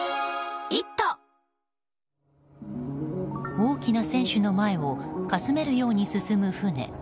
大きな船首の前をかすめるように進む船。